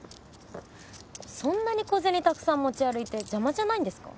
そんなに小銭たくさん持ち歩いて邪魔じゃないんですか？